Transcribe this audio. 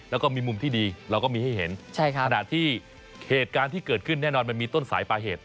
แล้วก็มีมุมที่ดีเราก็มีให้เห็นขณะที่เหตุการณ์ที่เกิดขึ้นแน่นอนมันมีต้นสายปลายเหตุ